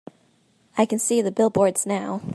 I can see the billboards now.